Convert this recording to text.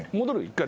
１回。